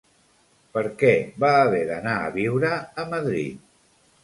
Per què va haver d'anar a viure a Madrid?